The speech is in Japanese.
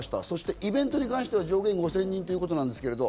そしてイベントに関しては上限５０００人です。